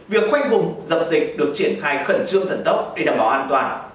việc khoanh vùng dập dịch được triển khai khẩn trương thần tốc để đảm bảo an toàn